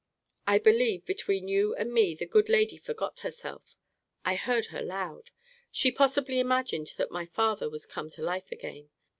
I believe, between you and me, the good lady forgot herself. I heard her loud. She possibly imagined that my father was come to life again.